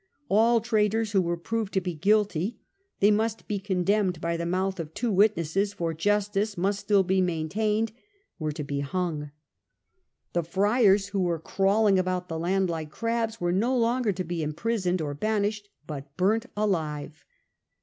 All traitors who were proved to be guilty they must be condemned by the mouth of two witnesses, for justice must still be maintained were to be hung. The friars, 271 who were " crawling about the land like crabs," were no longer to be imprisoned or banished, but burnt alive.